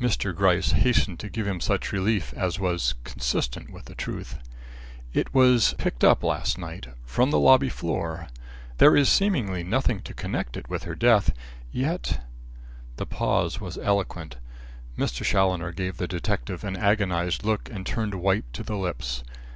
Mr. Gryce hastened to give him such relief as was consistent with the truth. "It was picked up last night from the lobby floor. There is seemingly nothing to connect it with her death. Yet " The pause was eloquent. Mr. Challoner gave the detective an agonised look and turned white to the lips.